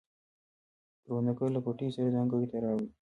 کروندګر له پټیو سره ځانګړی تړاو لري